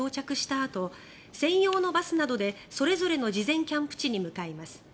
あと専用のバスなどでそれぞれの事前キャンプ地に向かいます。